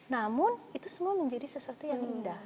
namun itu semua menjadi sesuatu yang indah